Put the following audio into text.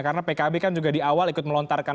karena pkb kan juga di awal ikut melontarkan